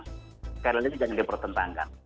sekali lagi jangan dipertentangkan